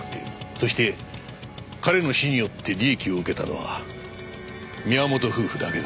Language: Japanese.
そして彼の死によって利益を受けたのは宮本夫婦だけだ。